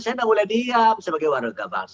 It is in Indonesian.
saya tidak boleh diam sebagai warga bangsa